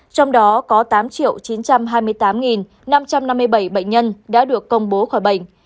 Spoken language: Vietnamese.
trong đó có tám chín trăm hai mươi tám năm trăm năm mươi bảy bệnh nhân đã được công bố khỏi bệnh